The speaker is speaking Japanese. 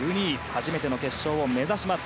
初めての決勝を目指します。